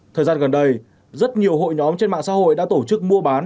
thời gian gần đây rất nhiều hội nhóm trên mạng xã hội đã tổ chức mua bán